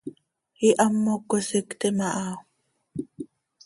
Ihamoc cöisictim aha.